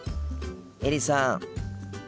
エリさん